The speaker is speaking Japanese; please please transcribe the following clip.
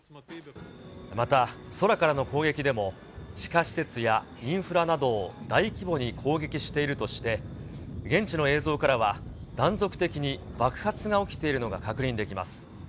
また、空からの攻撃でも、地下施設やインフラなどを大規模に攻撃しているとして、現地の映像からは、断続的に爆発が起きているのが確認できます。